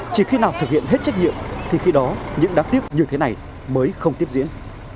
chỉ khi nào thực hiện hết trách nhiệm thì khi đó những đám tiếp như thế này mới không tiếp diễn